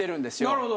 なるほど。